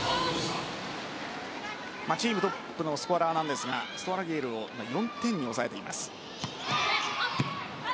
チームトップのスコアラーですがストラギエルを４点に抑えています。